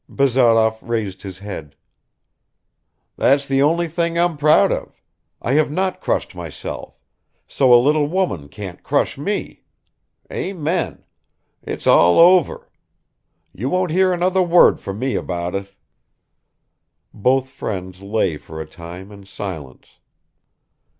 Bazarov raised his head. "That's the only thing I'm proud of. I have not crushed myself, so a little woman can't crush me. Amen! It's all over. You won't hear another word from me about it." Both friends lay for a time in silence.